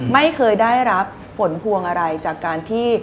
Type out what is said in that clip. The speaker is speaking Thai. ไม่เคยได้รับผลพวงอะไรจากการที่